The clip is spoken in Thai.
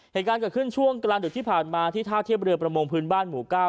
เหตุการณ์เกิดขึ้นช่วงกลางดึกที่ผ่านมาที่ท่าเทียบเรือประมงพื้นบ้านหมู่๙